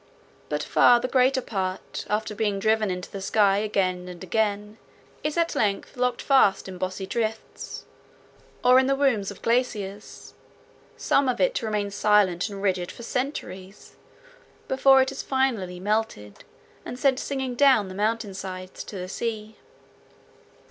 But far the greater part, after being driven into the sky again and again, is at length locked fast in bossy drifts, or in the wombs of glaciers, some of it to remain silent and rigid for centuries before it is finally melted and sent singing down the mountainsides to the sea.